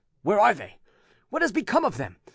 Where are they? What has become of them?